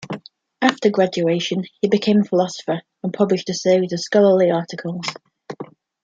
After graduation, he became a philosopher and published a series of scholarly articles.